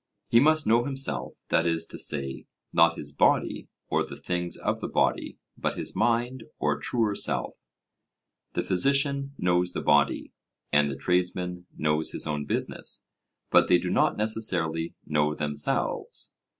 He must know himself; that is to say, not his body, or the things of the body, but his mind, or truer self. The physician knows the body, and the tradesman knows his own business, but they do not necessarily know themselves.